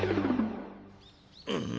うん。